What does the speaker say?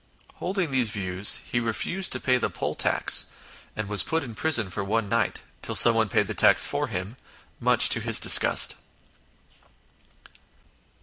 Holding these views, he refused to pay the poll tax, and was put in prison for one night, till someone paid the tax for him much to his disgust.